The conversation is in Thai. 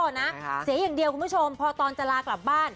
เสียอย่างเดียวคุณผู้ชมพอตอนจะลากลับบ้าน